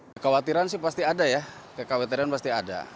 kekhawatiran sih pasti ada ya kekhawatiran pasti ada